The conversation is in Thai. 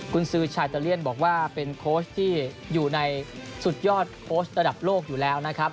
คุณซื้อชาอิตาเลียนบอกว่าเป็นโค้ชที่อยู่ในสุดยอดโค้ชระดับโลกอยู่แล้วนะครับ